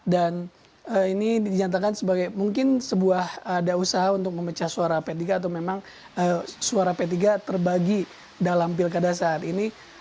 dan ini dijantakan sebagai mungkin sebuah ada usaha untuk memecah suara p tiga atau memang suara p tiga terbagi dalam pilkada saat ini